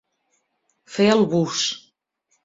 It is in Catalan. Fer el bus.